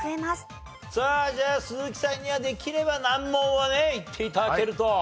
さあじゃあ鈴木さんにはできれば難問をねいって頂けると。